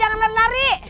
jangan lari lari